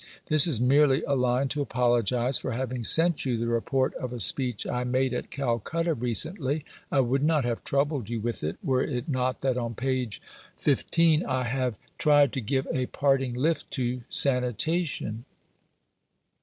This is merely a line to apologise for having sent you the Report of a speech I made at Calcutta recently. I would not have troubled you with it, were it not that on page 15 I have tried to give a parting lift to sanitation.